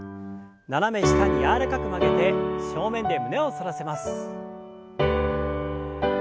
斜め下に柔らかく曲げて正面で胸を反らせます。